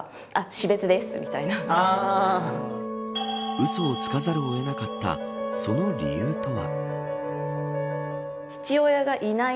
うそをつかざるを得なかったその理由とは。